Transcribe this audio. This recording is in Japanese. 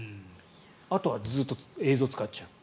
あとはずっと映像を使っちゃう。